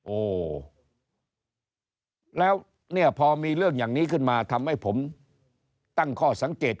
โอ้แล้วเนี่ยพอมีเรื่องอย่างนี้ขึ้นมาทำให้ผมตั้งข้อสังเกต